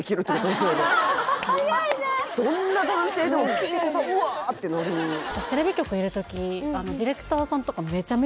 どんな男性でも「ピン子さんうわ！」ってなるえ！